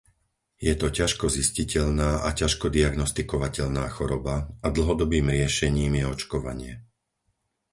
Je to ťažko zistiteľná a ťažko diagnostikovateľná choroba, a dlhodobým riešením je očkovanie.